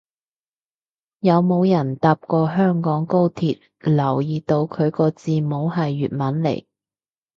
有冇人搭過香港高鐵留意到佢個字幕係粵文嚟